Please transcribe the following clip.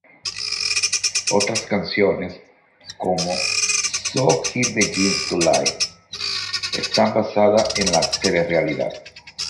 Otras canciones, como "So He Begins to Lie", están basadas en la telerrealidad.